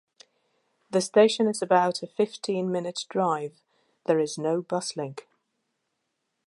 The station is about a fifteen-minute drive; there is no bus link.